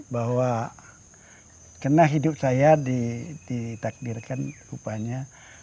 bahwa karena hidup saya ditakdirkan rupanya